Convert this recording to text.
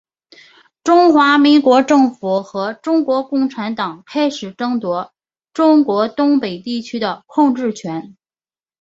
中华民国政府和中国共产党开始争夺中国东北地区的控制权。